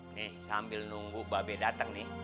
nih sambil nunggu babe datang nih